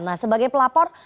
nah sebagai pelapor